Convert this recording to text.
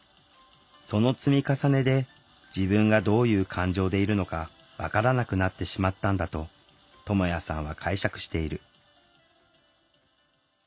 その積み重ねで自分がどういう感情でいるのか分からなくなってしまったんだとともやさんは解釈している。